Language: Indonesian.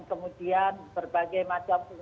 kemudian berbagai macam